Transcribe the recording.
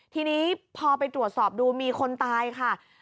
ทีนี้พอไปตรวจสอบดูมีคนตายค่ะ